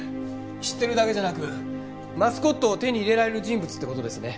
知ってるだけじゃなくマスコットを手に入れられる人物って事ですね。